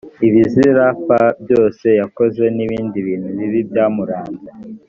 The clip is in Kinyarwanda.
ibizira p byose yakoze n ibindi bintu bibi byamuranze